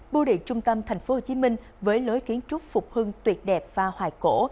bưu điện trung tâm thành phố hồ chí minh với lối kiến trúc phục hương tuyệt đẹp và hoài cổ